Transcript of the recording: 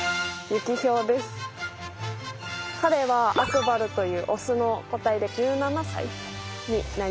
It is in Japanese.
彼はアクバルというオスの個体で１７歳になります。